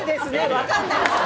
分かんないです。